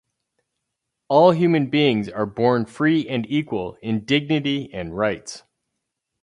All human beings are born free and equal in dignity and rights.